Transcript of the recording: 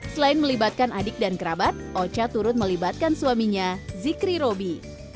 selain melibatkan adik dan kerabat oca turut melibatkan suaminya zikri robi